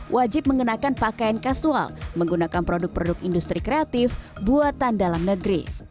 wajib mengenakan pakaian kasual menggunakan produk produk industri kreatif buatan dalam negeri